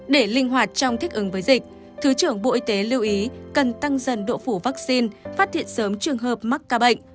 để linh hoạt trong thích ứng với dịch thứ trưởng bộ y tế lưu ý cần tăng dần độ phủ vaccine phát hiện sớm trường hợp mắc ca bệnh